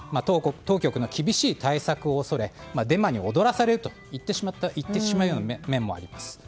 当局の厳しい対策を恐れデマに踊らされてしまった面もあります。